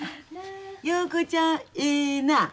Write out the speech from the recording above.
陽子ちゃんええな。